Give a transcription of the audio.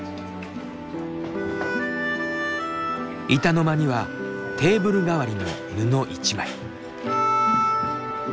板の間にはテーブル代わりの布一枚。